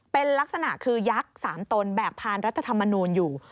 เป็นลักษณะคือยักษ์๓ตนแบกผ่านรัฐธรรมนูลอยู่